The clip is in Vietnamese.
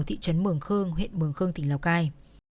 thị trấn mường khương huyện mường khương tỉnh lào cai